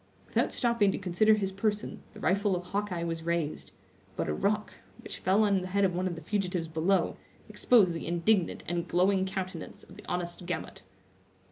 Without stopping to consider his person, the rifle of Hawkeye was raised; but a rock, which fell on the head of one of the fugitives below, exposed the indignant and glowing countenance of the honest Gamut.